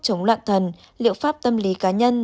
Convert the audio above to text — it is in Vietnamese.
chống loạn thần liệu pháp tâm lý cá nhân